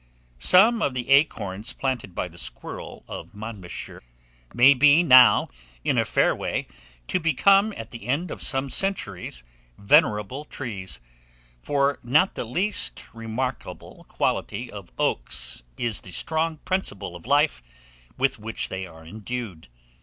Some of the acorns planted by the squirrel of Monmouthshire may be now in a fair way to become, at the end of some centuries, venerable trees; for not the least remarkable quality of oaks is the strong principle of life with which they are endued.